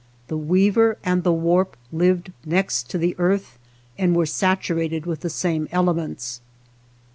The weaver and the warp lived next to the earth and were saturated with the same elements.